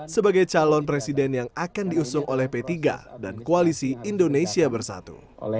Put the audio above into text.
sebagai calon presiden yang akan diusung oleh p tiga dan koalisi indonesia bersatu